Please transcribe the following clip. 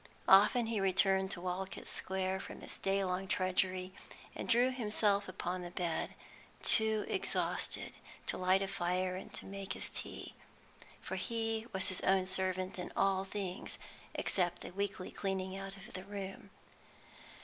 Often he returned to Walcot Square from his day long drudgery, and threw himself upon the bed, too exhausted to light a fire and make his tea, for he was his own servant in all things except the weekly cleaning out of the room.